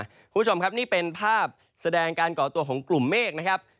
คุณผู้ชมครับนี่เป็นภาพแสดงการก่อตัวของกลุ่มเมฆนะครับ